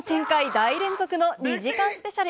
大連続の２時間スペシャル。